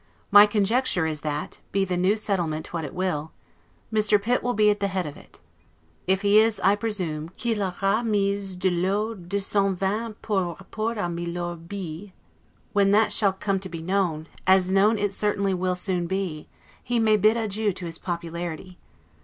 My conjecture is that, be the new settlement what it will, Mr. Pitt will be at the head of it. If he is, I presume, 'qu'il aura mis de l'eau dans son vin par rapport a Mylord B ; when that shall come to be known, as known it certainly will soon be, he may bid adieu to his popularity.